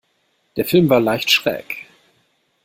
Der Film war leicht schräg.